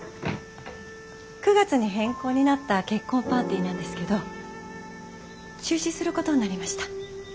９月に変更になった結婚パーティーなんですけど中止することになりました。